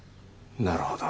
なるほど。